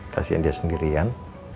kasian dia sendirian